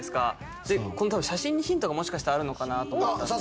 この多分写真にヒントがもしかしたらあるのかなと思ったんで。